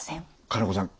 金子さん